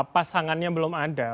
pasangannya belum ada